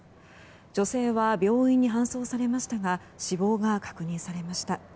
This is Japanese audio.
女性は病院に搬送されましたが死亡が確認されました。